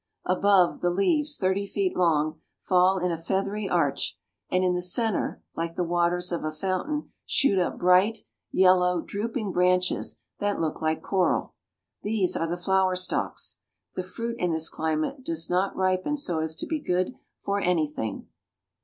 Above, the leaves, thirty feet long, fall in a feathery arch, and in the centre, like the waters of a fountain, shoot up bright, yellow, drooping branches that look like coral. These are the flower stalks. The fruit, in this climate, does not ripen so as to be good for any thing.